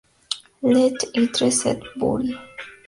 Les Istres-et-Bury